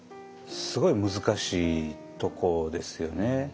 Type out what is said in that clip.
すごい難しいとこですよね。